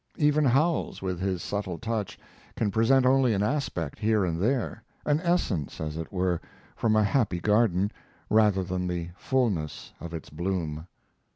Even Howells, with his subtle touch, can present only an aspect here and there; an essence, as it were, from a happy garden, rather than the fullness of its bloom.